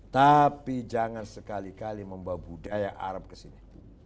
tapi jangan sekali kali membawa budaya arab ke sini